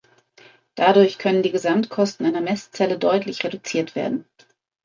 Dadurch können die Gesamtkosten einer Messzelle deutlich reduziert werden.